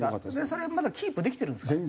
それまだキープできてるんですか？